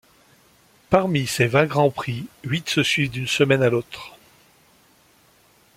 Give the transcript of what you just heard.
Parmi ces vingt Grands Prix, huit se suivent d'une semaine à l'autre.